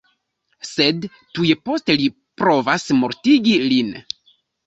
Sed tuj poste li provas mortigi lin.